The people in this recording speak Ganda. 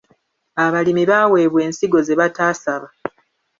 Abalimi baaweebwa ensigo ze bataasaba.